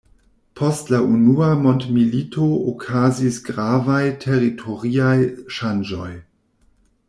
Post la unua mondmilito okazis gravaj teritoriaj ŝanĝoj.